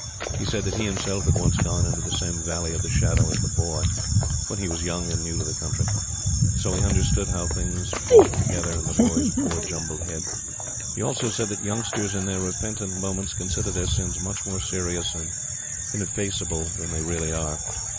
He said that he himself had once gone into the same Valley of the Shadow as the Boy, when he was young and new to the country; so he understood how things fought together in The Boy's poor jumbled head. He also said that youngsters, in their repentant moments, consider their sins much more serious and ineffaceable than they really are.